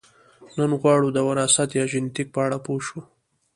نن غواړو د وراثت یا ژنیتیک په اړه پوه شو